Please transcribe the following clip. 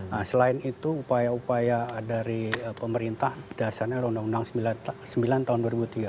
nah selain itu upaya upaya dari pemerintah dasarnya undang undang sembilan tahun dua ribu tiga